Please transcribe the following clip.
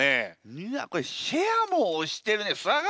うわっこれ「シェア」も押してるね。